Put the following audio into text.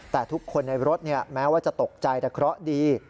แต่ทุกคนในรถแม้ว่าจะตกใจแต่เคราะห์ดี